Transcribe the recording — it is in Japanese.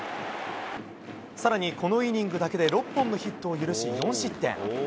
さらに、このイニングだけで６本のヒットを許し、４失点。